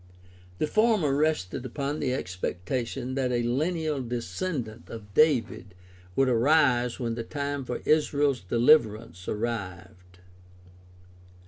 The former rested upon the expectation that a lineal descendant of David would arise when the time for Israel's deHverance arrived.